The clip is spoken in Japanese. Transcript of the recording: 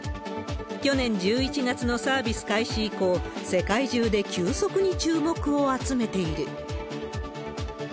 去年１１月のサービス開始以降、世界中で急速に注目を集めている。